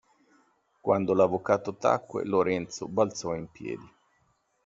Quando l'avvocato tacque, Lorenzo balzò in piedi.